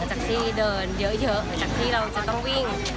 จากที่เดินเยอะหลังจากที่เราจะต้องวิ่ง